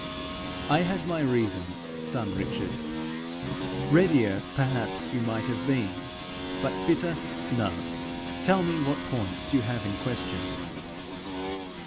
'I had my reasons, son Richard. Readier, perhaps, you might have been, but fitter no. Tell me what points you have in question.'